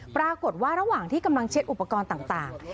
ปรากฏว่าระหว่างที่กำลังเช็ดอุปกรณ์ต่าง